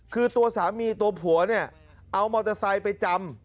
คือตัวสามีตัวผัวเนี่ยเอามอเตอร์ไซค์ไปจำ